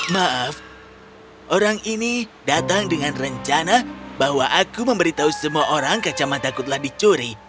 maaf orang ini datang dengan rencana bahwa aku memberitahu semua orang kacamataku telah dicuri